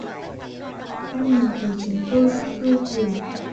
Ai nhìn thấy chúng tôi cũng tươi cười